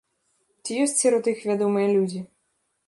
Ці ёсць сярод іх вядомыя людзі?